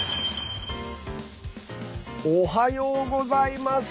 おはようございます。